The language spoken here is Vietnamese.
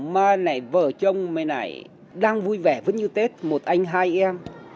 mà này vợ chồng này này đang vui vẻ vẫn như tết một anh hai em